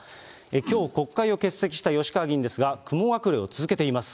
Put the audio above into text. きょう国会を欠席した吉川議員ですが、雲隠れを続けています。